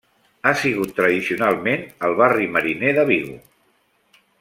Ha sigut tradicionalment el barri mariner de Vigo.